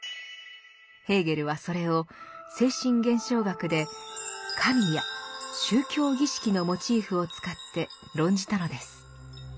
ヘーゲルはそれを「精神現象学」で「神」や「宗教儀式」のモチーフを使って論じたのです。